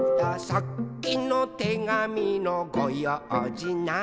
「さっきのてがみのごようじなーに」